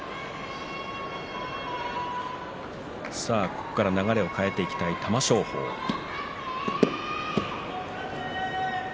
ここから流れを変えていきたい玉正鳳です。